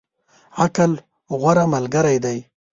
عقل، غوره ملګری دی.